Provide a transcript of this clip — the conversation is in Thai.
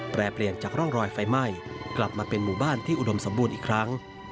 เปลี่ยนจากร่องรอยไฟไหม้กลับมาเป็นหมู่บ้านที่อุดมสมบูรณ์อีกครั้ง